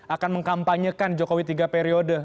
akan mengkampanyekan jokowi tiga periode